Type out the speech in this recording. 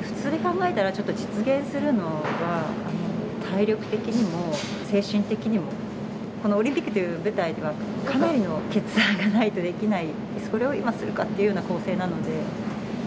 普通に考えたらちょっと実現するのが体力的にも精神的にも、このオリンピックという舞台では、かなりの決断がないとできない、それを今するかっていうような構成なので。